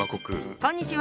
こんにちは。